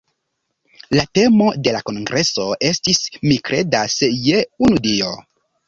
La temo de la kongreso estis "Mi kredas je unu Dio".